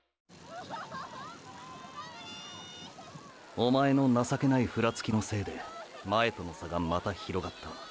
おまえの情けないフラつきのせいで前との差がまた広がった。